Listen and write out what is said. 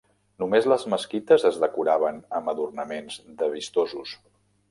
Només les mesquites es decoraven amb adornaments de vistosos.